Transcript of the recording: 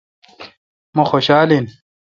مہ خوشال این۔